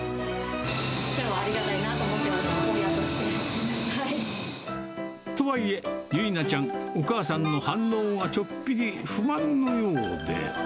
ありがたいなと思って、とはいえ、由奈ちゃん、お母さんの反応がちょっぴり不満のようで。